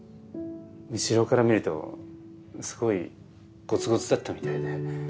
後ろから見るとすごいゴツゴツだったみたいで。